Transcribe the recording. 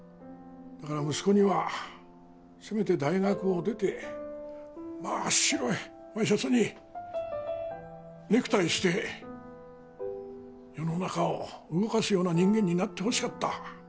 だから息子にはせめて大学を出て真っ白いワイシャツにネクタイして世の中を動かすような人間になってほしかった。